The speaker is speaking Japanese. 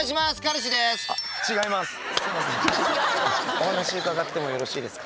お話伺ってもよろしいですか？